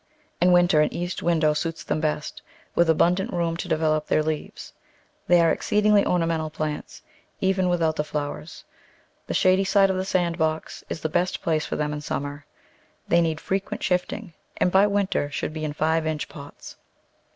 In winter an east window suits them best, with abundant room to develop their leaves. They are an exceedingly ornamental plant even without the flowers. The shady side of the sand box is the best Digitized by Google 70 The Flower Garden [Chapter place for them in summer. They need frequent shift ing, and by winter should be in five inch pots.